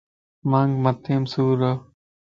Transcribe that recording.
مانک مٿي مَ سُور ا.